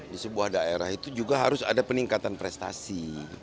di sebuah daerah itu juga harus ada peningkatan prestasi